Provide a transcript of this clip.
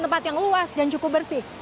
tempat yang luas dan cukup bersih